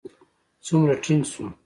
څومره ټينګ شو.